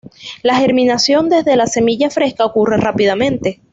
La germinación desde la semilla fresca ocurre rápidamente.